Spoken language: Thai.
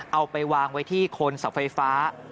เอาไปวางไว้ที่คนศักดิ์ไฟฟ้า